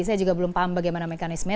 saya juga belum paham bagaimana mekanisme